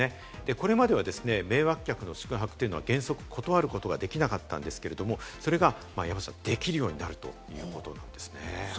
これまでは迷惑客の宿泊というのは原則、断ることができなかったんですけれども、それが山ちゃん、できるようになるということなんですね。